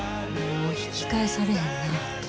もう引き返されへんなぁて。